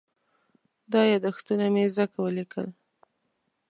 دا یادښتونه مې ځکه وليکل.